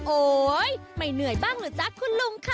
โอ๊ยไม่เหนื่อยบ้างเหรอจ๊ะคุณลุงค่ะ